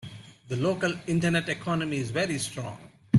The local internet economy is very strong.